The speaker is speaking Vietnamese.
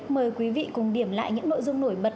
mời quý vị cùng điểm lại những nội dung nổi bật